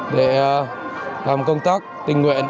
để làm công tác tình nguyện